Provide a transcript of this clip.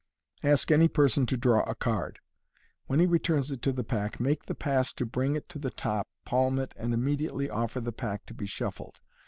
Ask any person to draw a card. When he returns it to the pack, make the pass to bring it to the top, palm it, and immediately offer the pack to be shuffled.